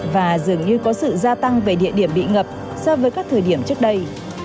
và dường như có sự gia tăng về địa điểm bị ngập so với các thời điểm trước đây